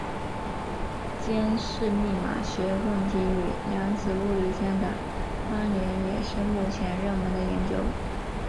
检视密码学问题与量子物理间的关连也是目前热门的研究。